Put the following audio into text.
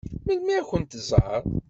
Melmi ad kent-tẓeṛ?